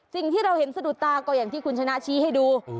สิ่งที่เราเห็นสะดุดตาก็อย่างที่คุณชนะชี้ให้ดู